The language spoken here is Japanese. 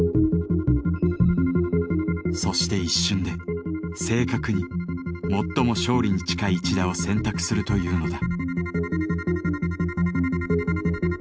そして一瞬で正確に最も勝利に近い１打を選択するというのだ。